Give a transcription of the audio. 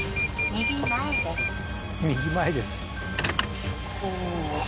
右前です